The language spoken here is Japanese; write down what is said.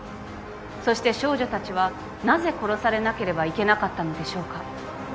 そして少女たちはなぜ殺されなければいけなかったのでしょうか。